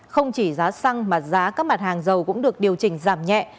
không chỉ giá xăng mà giá các mặt hàng dầu cũng được điều chỉnh giảm nhẹ